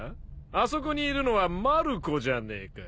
あそこにいるのはマルコじゃねえか。